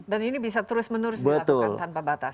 dan ini bisa terus menerus dilakukan tanpa batas